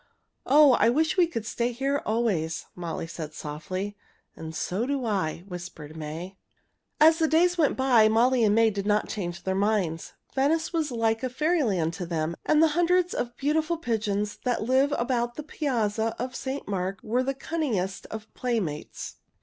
"Oh! I wish we could stay here always," Molly said softly. "And so do I," whispered May. [Illustration: The pigeons were as tame as little chickens] As the days went by, Molly and May did not change their minds. Venice was like a fairy land to them, and the hundreds of beautiful pigeons that live about the Piazza of St. Mark were the cunningest of playmates.